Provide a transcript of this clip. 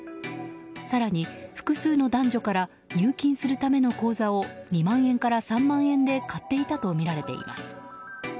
更に複数の男女から入金するための口座を２万円から３万円で買っていたとみられています。